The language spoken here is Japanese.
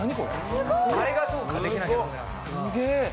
すげえ。